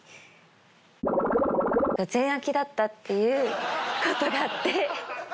だったっていうことがあって。